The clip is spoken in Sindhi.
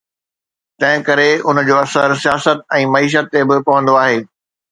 تنهن ڪري ان جو اثر سياست ۽ معيشت تي به پوندو آهي.